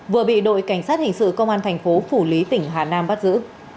vừa bị đội cảnh sát hình sự công an thành phố phủ lý tỉnh hà nam bắt giữ